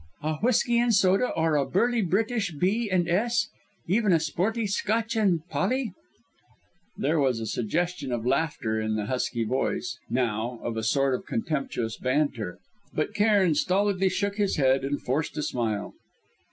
"A whisky and soda, or a burly British B. and S., even a sporty 'Scotch and Polly'?" There was a suggestion of laughter in the husky voice, now, of a sort of contemptuous banter. But Cairn stolidly shook his head and forced a smile.